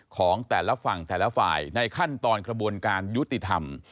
ของแต่ละฝั่งแต่ละฝ่ายในขั้นตอนกระบวนการยุติธรรม